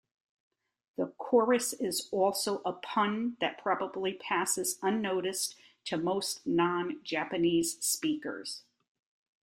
The chorus is also a pun that probably passes unnoticed to most non-Japanese speakers.